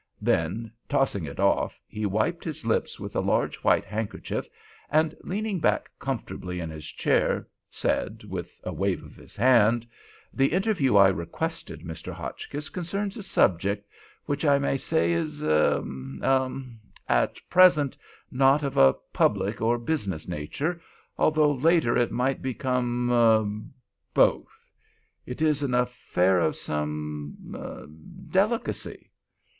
Then tossing it off, he wiped his lips with a large white handkerchief, and leaning back comfortably in his chair, said, with a wave of his hand, "The interview I requested, Mr. Hotchkiss, concerns a subject—which I may say is—er—er—at present not of a public or business nature—although later it might become—er—er—both. It is an affair of some—er—delicacy."